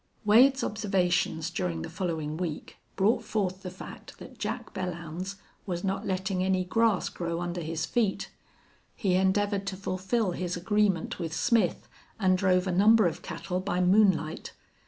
Wade's observations during the following week brought forth the fact that Jack Belllounds was not letting any grass grow under his feet. He endeavored to fulfil his agreement with Smith, and drove a number of cattle by moonlight.